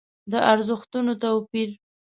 د ارزښتونو توپير.